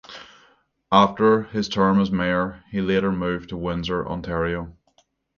After his term as mayor, he later moved to Windsor, Ontario.